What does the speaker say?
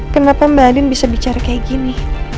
kenapa mbak adin bisa bicara kayak gini